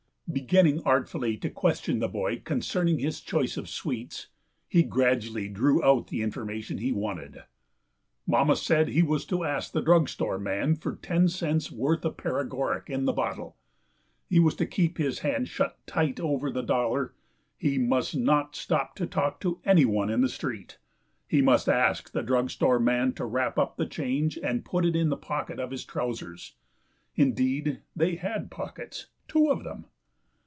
Beginning artfully to question the boy concerning his choice of sweets, he gradually drew out the information he wanted. Mamma said he was to ask the drug store man for ten cents' worth of paregoric in the bottle; he was to keep his hand shut tight over the dollar; he must not stop to talk to anyone in the street; he must ask the drug store man to wrap up the change and put it in the pocket of his trousers. Indeed, they had pockets two of them!